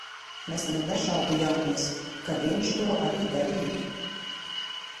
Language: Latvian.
Mēs nemaz nešaubījāmies, ka viņš to arī darītu.